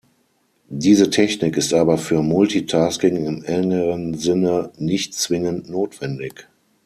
Diese Technik ist aber für Multitasking im engeren Sinne nicht zwingend notwendig.